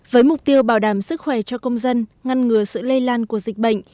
với mục tiêu bảo đảm sức khỏe cho công dân ngăn ngừa sự lây lan của dịch bệnh